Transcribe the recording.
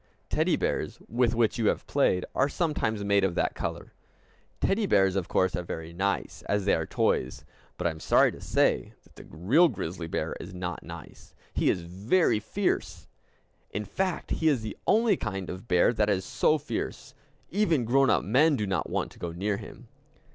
Teddy bears, with which you have played, are sometimes made of that color. Teddy bears of course are very nice, as they are toys; but I am sorry to say that the real grizzly bear is not nice; he is very fierce. In fact, he is the only kind of bear that is so fierce. Even grown up men do not want to go near him.